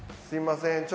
すみません